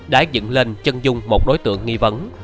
đã dựng lên chân dung một đối tượng nghi vấn